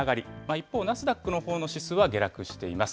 一方、ナスダックのほうの指数は下落しています。